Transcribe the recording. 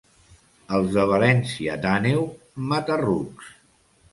Els de València d'Àneu, mata-rucs.